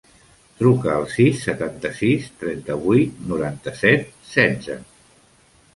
Truca al sis, setanta-sis, trenta-vuit, noranta-set, setze.